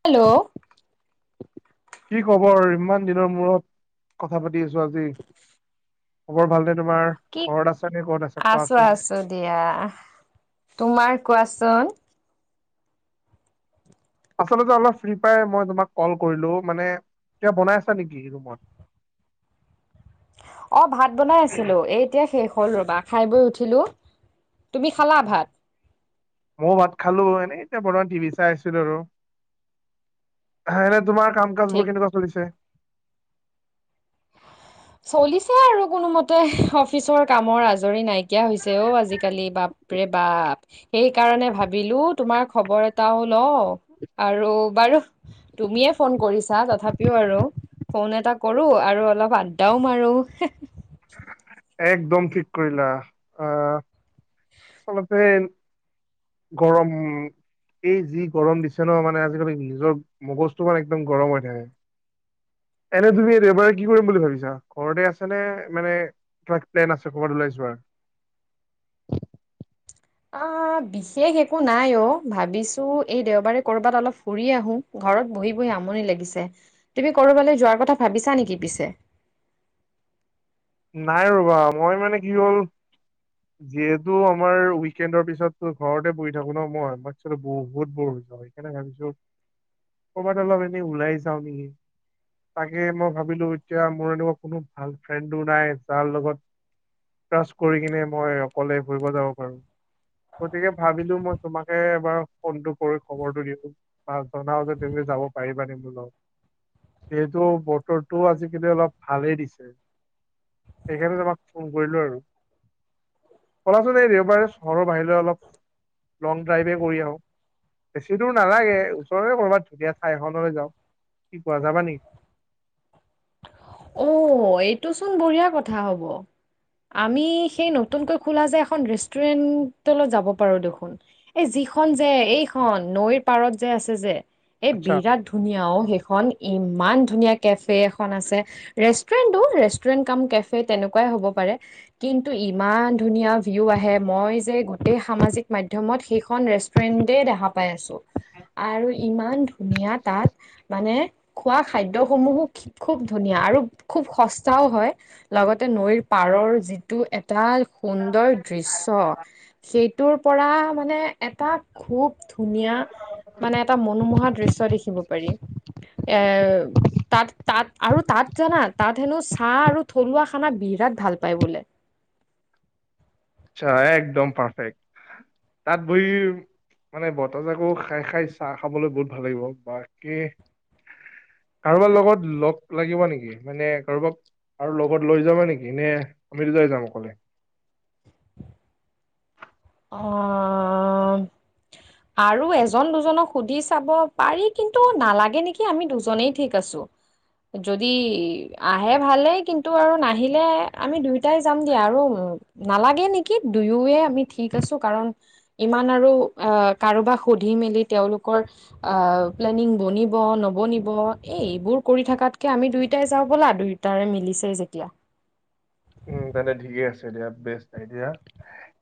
Hello কি খবৰ ইমান দিনৰ মূৰত কথা পাতি আছো আজি খবৰ ভাল দে কি আছো আছো দিয়া তোমাৰ কোৱা চ আচলতে অলপ ফ্ৰী পাই মই তোমাক কল কৰিলো মানে কিবা বনাই আছা নেকি ৰুমত [inaudible] অ ভাত বনাই আছিলোঁ এ এতিয়া শেষ হ'ল ৰবা খাই বৈ উঠিলোঁ তুমি খালা ভাত ময়ো ভাত খালো এনে এতিয়া বৰ্তমান টিভি চাই আছিলো আৰু তোমাৰ কাম কাজ বোৰ ঠিক কেনেকুৱা চলিছে চলিছে আৰু কোনোমতে অফিচৰ কামৰ আজৰি নাইকিয় হৈছে অ আজিকালি বাপ ৰে বাপ বাপ সেইকাৰণে ভাবিলো তোমাৰ খবৰ এটাও ল আৰু বাৰু তুমিয়ে ফোন কৰিছা তথাপিও আৰু ফোন এটা কৰো আৰু অলপ আড্ডাও মাৰো একদম ঠিক কৰিলা আহ আচলতে গৰম এই যি গৰম দিছে ন মানে আজিকালি নিজৰ মগজটো মান একদম গৰম হৈ থাকে [inaudible] এনে তুমি দেওবাৰে কি কৰিম বুলি ভাবিছা ঘৰতে আছে নে মানে কিবা প্লেন আছে ক'ৰবাত ওলাই যোৱাৰ [inaudible] অ বিশেষ একো নাই অ ভাবিছো এই দেওবাৰে কৰবাত অলপ ফুৰি আহো ঘৰত বহি বহি আমনি লাগিছে, তুমি কৰবালে যোৱাৰ কথা ভাবিছা নেকি পিছে? নাই ৰবা মই মানে কি হ'ল যিহেতু আমাৰ উইকেণ্ডৰ পিছতো ঘৰতে বহি থাকো ন মই, মাক বহুত ব সেইকাৰণে ভাবিছো কৰবাত অলপ এনেই ওলাই যাও নেকি তাকে মই ভাবিলো এতিয়া মোৰ এনেকুৱা কোনো ভাল ফ্ৰেণ্ডো নাই যাৰ লগত ক্ৰাছ কৰি কিনে মই অকলে ফুৰিব যাব পাৰো গতিকে ভাবিলো মই তোমাকে এবাৰ ফোনটো কৰি খবৰটো দিওঁ বা জনাও যে তুমি যাব পাৰিবা নি বোলো যিহেতু বতৰটো আজিকালি অলপ ভালেই দিছে সেইকাৰণে তোমাক ফোন কৰিলো আৰু চলাচোন এই দেওবাৰে চহৰৰ বাহিৰলৈ অলপ লং ড্ৰাইভে কৰি আহোঁ বেছি দূৰ নালাগে ওচৰৰে কৰ'বাত ধুনীয়া ঠাই এখনলৈ যাওঁ কি কোৱা যাবা নেকি অ এইটো চোন বঢ়িয়া কথা হ'ব আমি সেই নতুনকৈ খোলা যে এখন ৰেষ্টুৰেন্টত যাব পাৰো দেখোন এই যি এই খন যে এইখনন নৈৰ পাৰত যে আছে যে এ আচ্ছা বিৰাট ধুনীয়া অ সেইখন ইমান ধুনীয়া কেফে এখন আছে ৰেষ্ট ফেনটো ৰেষ্টোৰেন কাম কেফে তেনেকুৱাই হ'ব পাৰে, কিন্তু ইমান ধুনীয়া ভিও আহে। মই যে গোটেই সামাজিক মাধ্যমত সেইখন ৰেষ্টুৰেণ্টে দেখা পাই আছো। আৰু ইমান ধুনীয়া তাত মানে খোৱা খাদ্যসমূহো খুব ধুনীয়া। আৰু খুব সস্তাও হয়, লগতে নৈৰ পাৰৰ যিটো। ডাল সুন্দৰ দৃশ্য সেইটোৰ পৰা মানে এটা খুব, ধুনীয়া মানে এটা মনোমোহা দৃশ্য দেখিব পাৰি। এৰ তাত তাত আৰু তাত জানা তাত হেনো চাহ আৰু থলুৱা খানা বিৰাট ভাল পায় বোলে। আ একদম পাৰফেক্ট তাত বহিম। মানে বতাহজাকো খাই খাই চাহ খাবলৈ বহুত ভাল লাগিব। বাকী, কাৰোবাৰ লগত লগ লাগিবা নেকি? মানে কাৰোবাক কাৰ লগত লৈ যাবা নেকি? নে, আমি যাম অকলে। আ আৰু এজন দুজনক সুধি চাব পাৰি কিন্তু নালাগে নেকি, আমি দুজনেই ঠিক আছো। যদি আহে ভালেই, কিন্তু আৰু নাহিলে আমি দুই, তাই যাম দিয়া আৰু নালাগে নেকি দুয়োয়ে আমি ঠিক আছো কাৰণ ইমান আৰু অ কাৰোবাক সুধি মেলি তেওঁলোকৰ আহ। প্লেনিং বনিব নবনিব এই এইবোৰ কৰি থকাতকে আমি দুইটাই যাওঁ বলা, দুইটাৰে মিলি দিছে যেতিয়া। [unintelligible] উম তেন্তে ঠিকে আছে এতিয়া বেচ নাই এতিয়া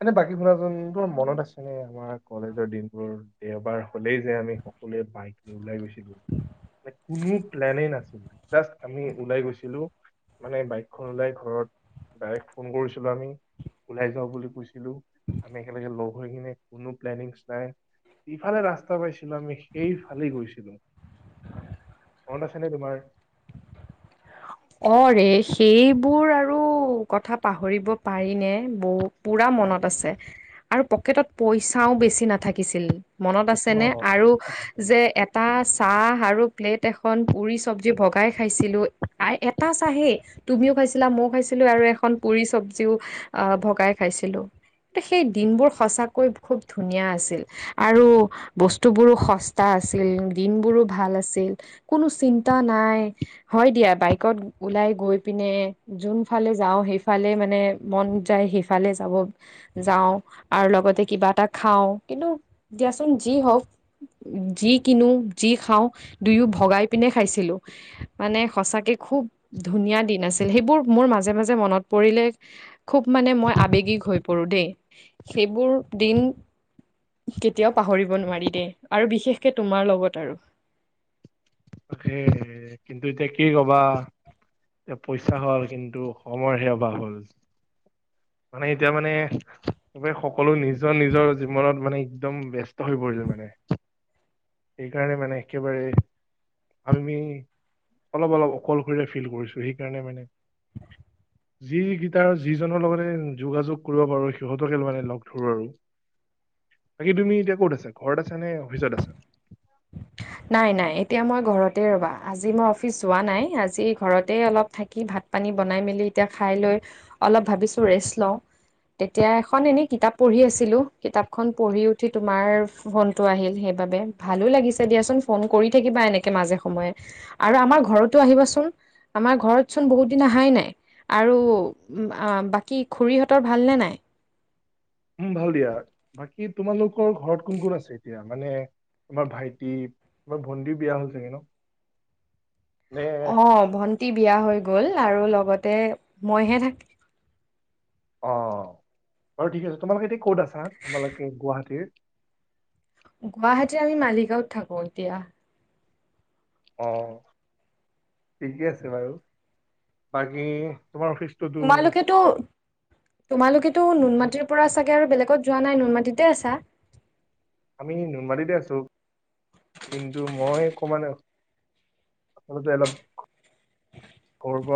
এনে বাকী ফুৰাজন ত মনত আছে ন। আমাৰ কলেজৰ দিনবোৰ, দেওবাৰ হলেই যে আমি সকলোৱে বাইক লৈ ওলাই গৈছ কোনো প্লেনে নাছিল। জাষ্ট আমি ওলাই গৈছিলো মানে বাইকখন ওলাই ঘৰত বায়েক ফোন কৰিছিলো আমি। ওলাই যাওঁ বুলি কৈছিলো, আমি একেলগে লগ হৈ কিনে কোনো প্লেনিংছ নাই। ইফালে ৰাস্তা পাইছিলো আমি সেইফালে গৈছিলো। মনত আছেনে তোমাৰ? অ ৰেখ। সেইবোৰ আৰু কথা পাহৰিব পাৰিনে ব পুৰা মনত আছে। আৰু পকেটত পইচাও বেছি নাথাকিছিল। মনত অ আছেনে আৰু আছে যে এটা চাহ আৰু প্লেট এখন পুৰি চবজি ভগাই খাইছিলো। আ এটা চাহেই, তুমিও খাইছিলা, মইও খাইছিলো আৰু এখন পুৰি চবজিও অ ভগাই খাই আছিলোঁ। ত সেই দিনবোৰ সঁচাকৈ খুব ধুনীয়া আছিল, আৰু বস্তুবোৰো সস্তা আছিল দিনবোৰো ভাল আছিল, কোনো চিন্তা নাই হয় দিয়া। বাইকত ওলাই গৈ পিনে যোনফালে যাওঁ সেইফালে মানে মন যায় সেইফালে য যাওঁ আৰু লগতে কিবা এটা খাওঁ কিন্তু দিয়াচোন যি হওক। যি কিনো যি খাওঁ দুয়ো ভগাই পিনে খাইছিলো মানে সঁচাকে খুব ধুনীয়া দিন আছিল সেইবোৰ মোৰ মাজে মাজে মনত পৰিলে খুব মানে মই আবেগিক হৈ পৰো দেই, সেই বোৰ দিন কেতিয়াও পাহৰিব নোৱাৰি দেই আৰু বিশেষকে তোমাৰ লগত আৰু। সে কিন্তু এতিয়া কি কবা? এয়া পইচা হল কিন্তু সময় হে অভাব হ'ল। মানে এতিয়া মানে এইব সকলো নিজৰ নিজৰ জীৱনত মানে একদম ব্যস্ত হৈ পৰিছিল মানে। সেইকাৰণে মানে একেবাৰে আমি অলপ অলপ অকলশৰৰে ফিল কৰিছো সেইকাৰণে মানে [unintelligible] যি গেইটাৰ যিজনৰ লগতে যোগাযোগ কৰিব পাৰো সিহঁতকে মানে লগ ধৰো আৰু। বাকী তুমি এতিয়া ক'ত আছা? ঘৰত আছা নে অফিচত আছা? নাই নাই এতিয়া মই ঘৰতে ৰবা, আজি মই অফিচ যোৱা নাই আজি ঘৰতে অলপ থাকি ভাত পানী বনাই মেলি এতিয়া খাই লৈ অলপ ভাবিছোঁ ৰেষ্ট লওঁ। তেতিয়া এখন এনে কিতাপ পঢ়ি আছিলোঁ, কিতাপখন পঢ়ি উঠি তোমাৰ ফোনটো আহিল, সেই বাবে ভালো লাগিছে। দিয়াচোন ফোন কৰি থাকিবা এনেকে মাজে সময়ে আৰু আমাৰ ঘৰতো আহিবাচোন। আমাৰ ঘৰতচোন বহুত দিন আহাই নাই আৰু আ বাকী খুৰীহঁতৰ ভালনে নাই? ? [inaudible] কি তোমালোকৰ ঘৰত কোন কোন আছে এতিয়া মানে তোমাৰ ভাইটি, তোমাৰ ভন্টি বিয়া হল ছাগে ন? নে অহ ভন্টি বিয়া হৈ গ'ল আৰু লগতে মইহে থাকি অ। বাৰু ঠিক আছে তোমালোকে এতিয়া ক'ত আছা তোমালোকে গুৱাহাটীৰ? গুৱাহাটীৰ আমি মালিগাঁৱত থাকো এতিয়া। অ, ঠিকে আছে বাৰু বাকী তোমাৰ অফিচটোতো তোমালোকেতো তোমালোকেতো উম, নুনমাটিৰ পৰা চাগে আৰু বেলেগত যোৱা নাই নুনমাটিতে আছা? আমি নুনমাৰীতে আছোঁ কিন্তু মই অকমান আচলতে অলপ [inaudible]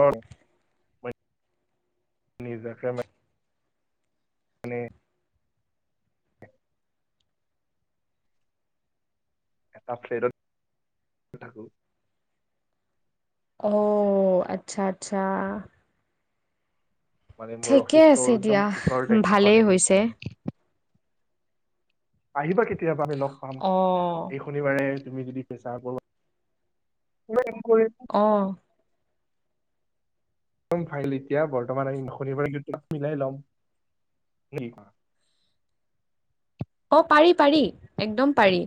মানে এটা ফ্লেটত থাকোঁ। অ আচ্ছা আচ্ছা। মানে মোৰ ঠিকে অফিচটো আছে একদম দিয়া ওচৰতে ভালেই কাষতে হৈছে। সেইকাৰণে। আহিবা কেতিয়াবা আমি লগ পাম, অ এই শনিবাৰে তুমি যদি পেচাৰ পাবা [inaudible] অহ। ম ফাইল এতিয়া বৰ্তমান শনিবাৰে কিউট মিলাই ল'ম। অ পাৰি- পাৰি একদম পাৰি,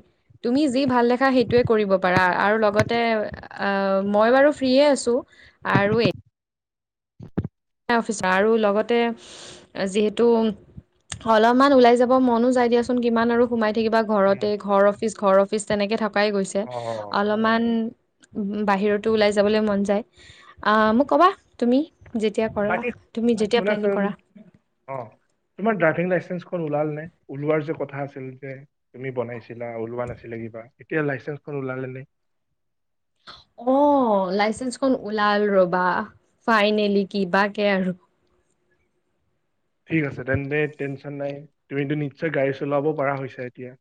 তুমি যি ভাল দেখা সেইটোৱে কৰিব পাৰা আৰু লগতে আ মই বাৰু ফ্ৰী আছোঁ আৰু এ এতিয়া অফিচৰ আৰু লগতে যিহেতু অলপমান ওলাই যাব মনো যাই দিয়াচোন কিমান আৰু সোমাই কিবা কোৱা? ঘৰতে ঘৰ অফিচ ঘৰ অফিচ তেনেকে থকাই গৈছে অ অলপমান বাহিৰতো ওলাই যাবলৈ মন যায় আহ মোক কবা তুমি যে বাকী শুনাচোন অ তোমাৰ ড্ৰাইভিং লাইচেঞ্চ খন উলাল নে ওলোৱাৰ যে কথা আছিল যে তুমি বনাইছিলা ওলোৱা নাছিলে কিবা এতিয়া লাইচেন্স খন ওলালে নে? অ লাইচেঞ্চখন ওলাল ৰবা! ফাইনেলি কিবাকে আৰু। ঠিক আছে তেন্তে টেনচন নাই, তুমিতো নিশ্চয় গাড়ী চলাব পৰা হৈছা এতিয়া? [inaudible]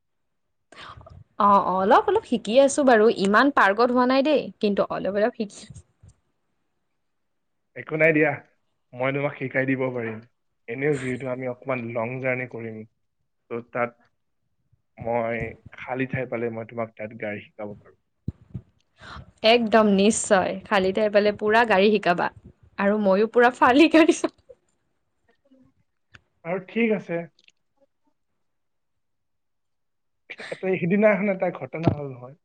অ অ অলপ অলপ শিকি আছো বাৰু ইমান পাৰ্গত হোৱা নাই দেই কিন্তু অলপ অলপ শিকি আছোঁ। একো নাই দিয়া। মই তোমাক শিকাই দিব পাৰিম, এনেও যিহেতু আমি অকমান লং জাৰ্ণি কৰিম। ত' তাত মই খালি ঠাই পালে মই তোমাক তাত গাড়ী শিকাব পাৰোঁ। একদম নিশ্চয়, খালী ঠাই পালে পুৰা গাড়ী শিকাবা আৰু মইও পুৰা ফালি গাড়ী চলাম। আৰু ঠিক আছে। এ সিদিনাখন এটা ঘটনা হল নহয়?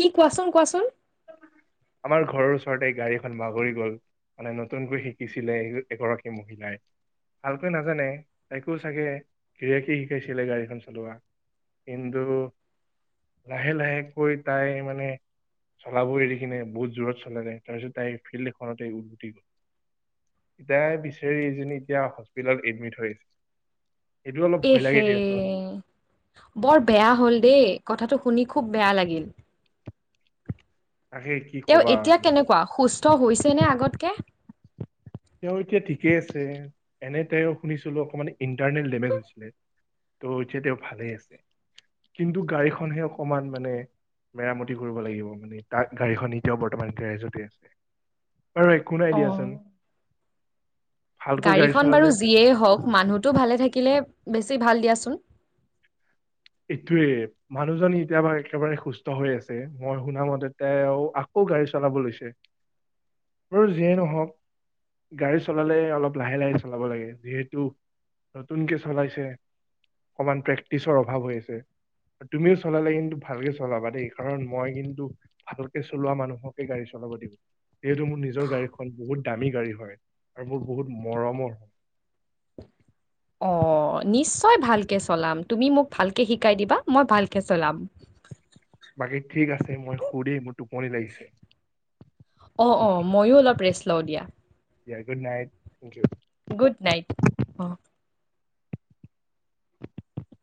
কি কোৱাচোন কোৱাচোন? অ [inaudible] আমাৰ ঘৰৰ ওচৰতে গাড়ীখন বাগৰি গল, মানে নতুনকৈ শিকিছিলে এ -এগৰাকী মহিলাই। ভালকৈ নাজানে, তাইকো চাগে গিৰিয়েকী শিকাইছিলে গাড়ীখন চলোৱা। কিন্তু লাহে লাহেকৈ তাই মানে চলাব এৰি কিনে বহুত জোৰত চলাই যায়, তাৰপিছত তাই ফিল্ড এখনতে উলটি গ'ল। পিতাই বিচাৰি এজনী এতিয়া হস্পিতেলত এডমিট হৈ আছে। এইটো অলপ ভয় লাগে এহে, দিয়াচোন বৰ বেয়া হল দেই কথাটো শুনি খুব বেয়া লাগিল। তাকে কি তেওঁ কবা এতিয়া আৰু কেনেকোৱা সুস্থ হৈছে নে আগতকে? তেওঁ এতিয়া ঠিকেই আছে, এনে তেওঁ শুনিছিলো অকমান ইণ্টাৰ্নেল ডেমেজ হৈছিলে। ত' এতিয়া তেও ভালে আছে, কিন্তু গাড়ীখনহে অকমান মানে মেৰামতি কৰিব লাগিব মানে তাক গাড়ীখন এতিয়াও বৰ্তমান গেৰেজতে আছে। আৰু একো নাই অ'। দিয়াচোন। ভালকৈ গাড়ী গাড়ীখন চলালে বাৰু যিয়েই হওক, মানুহটো ভালে থাকিলে বেছি ভাল দিয়াচোন। এইটোয়ে, মানুহজনী এতিয়াবা একেবাৰে সুস্থ হৈ আছে মই শুনামতে তেও আকৌ গাড়ী চলাব লৈছে, বাৰু যিয়েই নহওক গাড়ী চলালে অলপ লাহে- লাহে চলাব লাগে যিহেতু নতুনকে চলাইছে, অকণমান প্ৰেক্টিচৰ অভাৱ হৈ আছে। তুমিও চলালে কিন্তু ভালকে চলাবা দেই, কাৰণ মই কিন্তু ভালকে চলোৱা মানুহকে গাড়ী চ লাব দিও, যিহেতু মোৰ নিজৰ গাড়ীখন বহুত দামী গাড়ী হয় আৰু মোৰ বহুত মৰমৰ হয়। [inaudible] অ। অ নিশ্চয় ভালকে চলাম, তুমি মোক ভালকে শিকাই দিবা মই ভালকে চলাম। বাকী ঠিক আছে মই তোক সুধিম - অ অ ময়ো অলপ ৰেষ্ট লও দিয়া। য়া good night, thank you. Good night O. [inaudible]